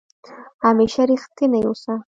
همېشه ریښتونی اوسه